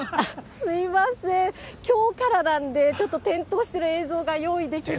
すみません、きょうからなんで、ちょっと点灯してる映像が用意できず。